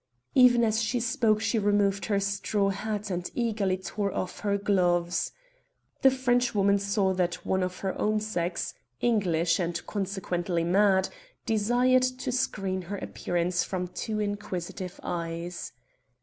Even as she spoke she removed her straw hat and eagerly tore off her gloves. The Frenchwoman saw that one of her own sex, English, and consequently mad, desired to screen her appearance from too inquisitive eyes.